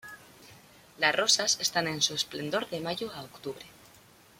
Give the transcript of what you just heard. Las rosas están en su esplendor de mayo a octubre.